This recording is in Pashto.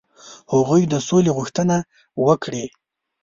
هغوی د سولي غوښتنه وکړي.